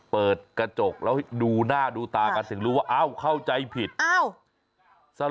เปิดกระจกแล้วดูหน้าดูตากันถึงรู้ว่าอ้าวเข้าใจผิด